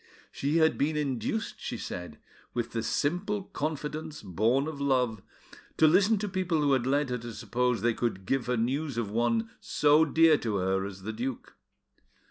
She had been induced, she said, with the simple confidence born of love, to listen to people who had led her to suppose they could give her news of one so dear to her as the duke.